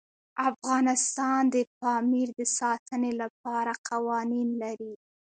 افغانستان د پامیر د ساتنې لپاره قوانین لري.